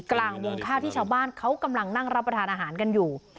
กลางวงข้าวที่ชาวบ้านเขากำลังนั่งรับประทานอาหารกันอยู่